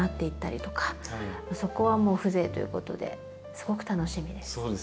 そこはもう風情ということですごく楽しみです。